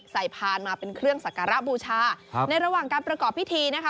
พานมาเป็นเครื่องสักการะบูชาในระหว่างการประกอบพิธีนะคะ